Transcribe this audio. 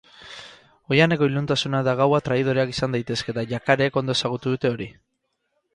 Oihaneko iluntasuna eta gaua traidoreak izan daizteke eta yacareek ondo ezagutu dute hori.